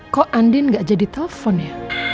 kok andin gak jadi telpon ya